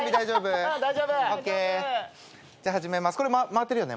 これ回ってるよね？